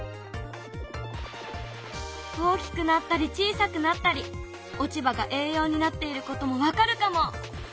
大きくなったり小さくなったり落ち葉が栄養になっていることも分かるかも！